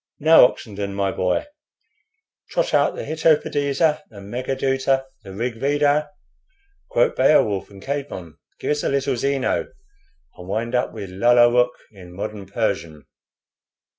Now, Oxenden, my boy, trot out the 'Hitopadesa,' the 'Megha Dhuta,' the 'Rig Veda.' Quote 'Beowulf' and Caedmon. Gives us a little Zeno, and wind up with 'Lalla Rookh' in modern Persian."